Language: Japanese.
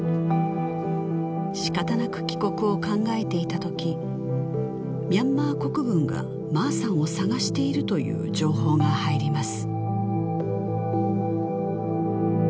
仕方なく帰国を考えていた時ミャンマー国軍がマーさんを捜しているという情報が入ります